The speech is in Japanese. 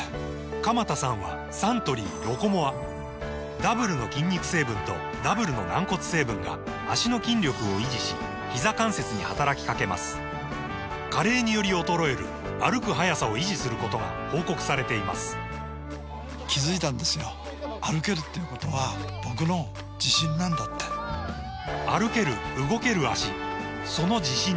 鎌田さんはサントリー「ロコモア」ダブルの筋肉成分とダブルの軟骨成分が脚の筋力を維持しひざ関節に働きかけます加齢により衰える歩く速さを維持することが報告されています歩ける動ける脚その自信に筋肉成分と軟骨成分